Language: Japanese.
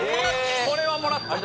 これはもらった。